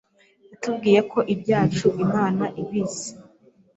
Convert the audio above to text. Yatubwiye ko ibyacu Imana ibizi.